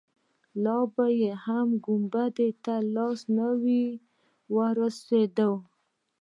لا به يې هم ګنبدې ته لاس نه وررسېده.